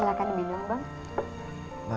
silahkan minum bang